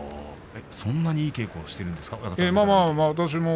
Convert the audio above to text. そんなにいい稽古をしているんですか？